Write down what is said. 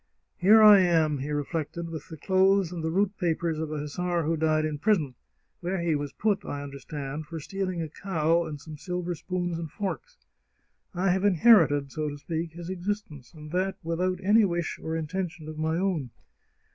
" Here I am," he reflected, " with the clothes and the route papers of a hussar who died in prison, where he was put, I understand, for stealing a cow and some silver spoons and forks! I have inherited, so to speak, his existence, and that without any wish or intention of my own.